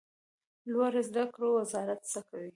لوړو زده کړو وزارت څه کوي؟